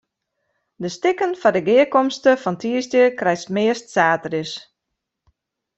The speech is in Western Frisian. De stikken foar de gearkomste fan tiisdei krijst meast saterdeis.